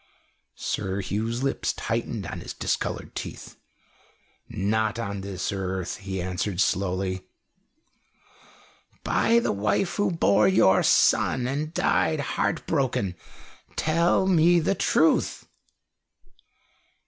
Sir Hugh's lips tightened on his discoloured teeth. "Not on earth," he answered slowly. "By the wife who bore your son and died heartbroken, tell me the truth!"